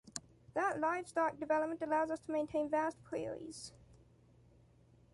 That livestock development allows us to maintain vast prairies.